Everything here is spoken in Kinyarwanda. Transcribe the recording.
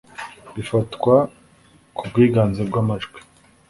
Bifatwa ku bwiganze bw amajwi